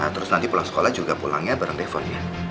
terus nanti pulang sekolah juga pulangnya bareng reformnya